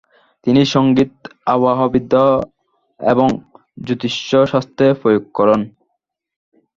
তিনি সঙ্গীত, আবহাওয়াবিদ্যা এবং জ্যোতিষ শাস্ত্রে প্রয়োগ করেন।